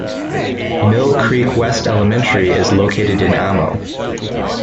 Mill Creek West Elementary is located in Amo.